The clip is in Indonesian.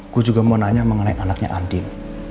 gue juga mau nanya mengenai anaknya andin